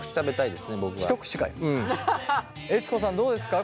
悦子さんどうですか？